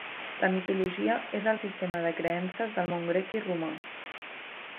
La mitologia és el sistema de creences del món grec i romà.